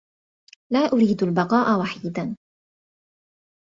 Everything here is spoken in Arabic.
لا أريد البقاء وحيدا.